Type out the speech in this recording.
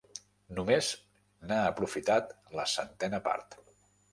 Només n'ha aprofitat la centena part.